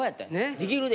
「できるで」